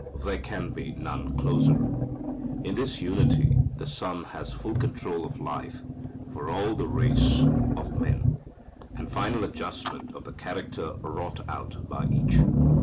There can be none closer. In this unity the Son has full control of life for all the race of men, and final adjustment of the character wrought out by each.